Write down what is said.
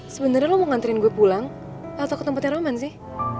sebenernya lo mau ngantriin gue pulang atau ke tempatnya roman sih